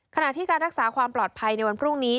ขณะที่การรักษาความปลอดภัยในวันพรุ่งนี้